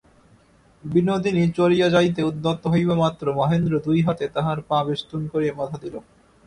বিনোদিনী চলিয়া যাইতে উদ্যত হইবামাত্র মহেন্দ্র দুই হাতে তাহার পা বেষ্টন করিয়া বাধা দিল।